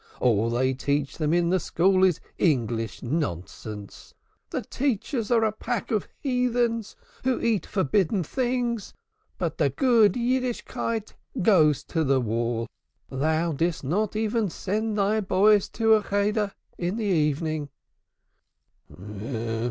All they teach them in the school is English nonsense. The teachers are a pack of heathens, who eat forbidden things, but the good Yiddishkeit goes to the wall. I'm ashamed of thee, Méshe: thou dost not even send thy boys to a Hebrew class in the evening."